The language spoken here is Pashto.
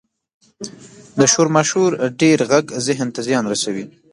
• د شور ماشور ډېر ږغ ذهن ته زیان رسوي.